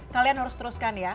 kalian harus teruskan ya